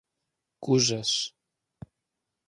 cujas